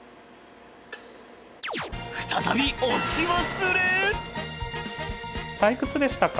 再び押し忘れ。